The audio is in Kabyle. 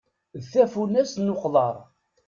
D tafunast n uqḍar.